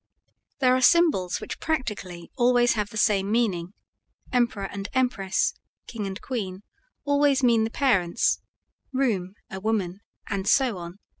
There are symbols which practically always have the same meaning: Emperor and Empress (King and Queen) always mean the parents; room, a woman, and so on.